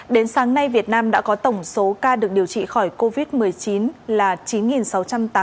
đến sáng nay việt nam đã có tổng số ca được điều trị khỏi covid một mươi chín là chín sáu trăm tám mươi tám ca